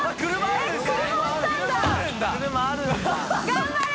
頑張れ！